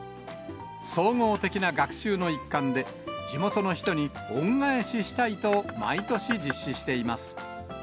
総合的な学習の一環で、地元の人に恩返ししたいと、毎年実施しています。